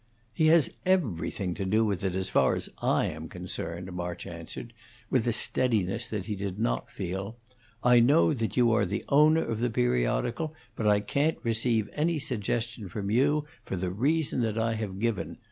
"He has everything to do with it as far as I am concerned," March answered, with a steadiness that he did not feel. "I know that you are the owner of the periodical, but I can't receive any suggestion from you, for the reason that I have given.